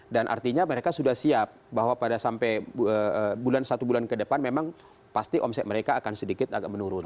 dan artinya mereka sudah siap bahwa pada sampai bulan satu bulan ke depan memang pasti omset mereka akan sedikit agak menurun